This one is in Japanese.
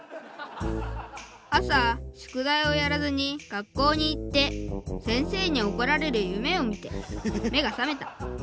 「朝宿題をやらずに学校に行って先生におこられる夢を見て目が覚めた。